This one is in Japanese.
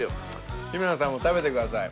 日村さんも食べてください。